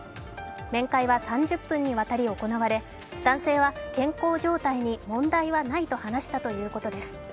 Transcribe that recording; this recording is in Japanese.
面会は３０分にわたり行われ男性は健康状態に問題はないと話したということです。